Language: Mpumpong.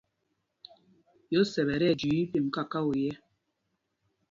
Yósɛp ɛ́ tí ɛjüii pyêmb kakao yɛ̄.